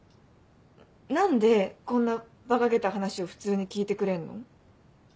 何でこんなばかげた話を普通に聞いてくれんの？